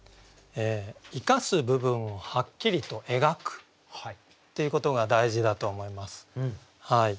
「生かす部分をハッキリと描く」っていうことが大事だと思います。